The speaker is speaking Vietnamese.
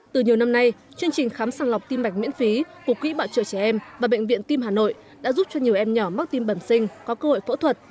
từ nhiều năm nay chương trình khám sàng lọc tim mạch miễn phí cục quỹ bảo trợ trẻ em và bệnh viện tim hà nội đã giúp cho nhiều em nhỏ mắc tim bẩm sinh có cơ hội phẫu thuật